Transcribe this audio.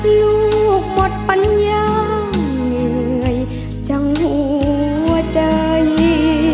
ลูกหมดปัญญาเหนื่อยจังหัวใจ